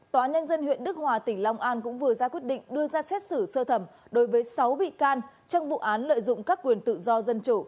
tòa nhân dân huyện đức hòa tỉnh long an cũng vừa ra quyết định đưa ra xét xử sơ thẩm đối với sáu bị can trong vụ án lợi dụng các quyền tự do dân chủ